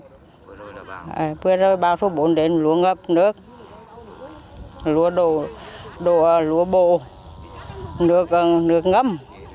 phước rồi báo số bốn đến lúa ngập nước lúa đổ lúa bổ nước ngâm